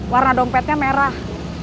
warna dompetnya merah